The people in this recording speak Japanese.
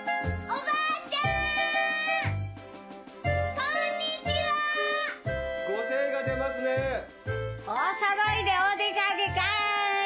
おそろいでお出かけかい！